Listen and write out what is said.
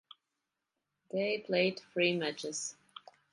They played three matches.